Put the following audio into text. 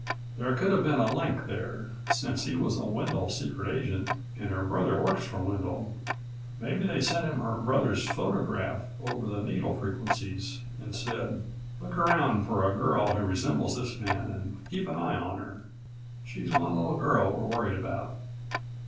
"There could have been a link there, since he was a Wendel secret agent and her brother works for Wendel. Maybe they sent him her brother's photograph over the needle frequencies and said: 'Look around for a girl who resembles this man and keep an eye on her. She's one little girl we're worried about."